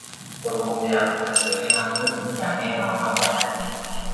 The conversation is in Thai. คนคงจะอยากรู้จักเธอให้มากขึ้นอย่างแน่นอนว่าก่อนหน้านี้